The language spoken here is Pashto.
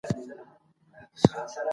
پوهانو د طبیعي پېښو په اړه څېړنې وکړې.